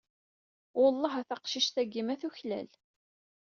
Welleh a taqcict-agi ma tuklal.